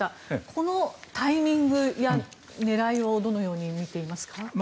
このタイミングや狙いをどのように見ていますか。